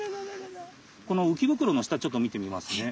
このうきぶくろの下ちょっと見てみますね。